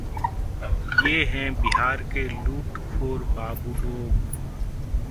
ये हैं बिहार के लूटखोर बाबू लोग